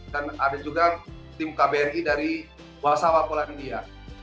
dan ada juga tim kbri dari walsawa polandia